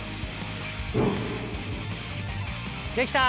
できた？